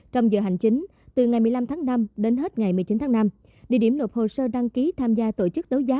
trong giờ hành chính từ ngày một mươi năm tháng năm đến hết ngày một mươi chín tháng năm địa điểm nộp hồ sơ đăng ký tham gia tổ chức đấu giá